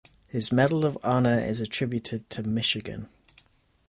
His Medal of Honor is attributed to Michigan.